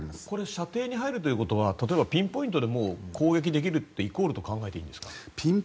これ射程に入るということは例えばピンポイントで攻撃できるとイコールで考えていいんですか？